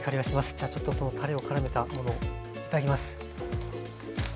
じゃあちょっとそのたれをからめたものを頂きます。